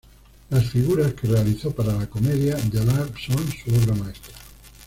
Las figuras que realizó para la Commedia dell'arte son su obra maestra.